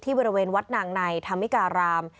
บริเวณวัดนางในธรรมิการาม